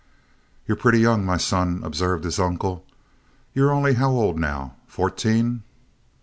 "You're pretty young, my son," observed his uncle. "You're only how old now? Fourteen?"